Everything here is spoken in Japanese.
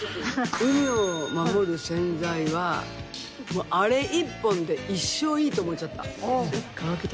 海をまもる洗剤はあれ一本で一生いいと思っちゃった。